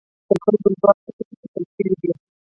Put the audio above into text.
د خلکو ځواک ته پکې کتل شوي دي.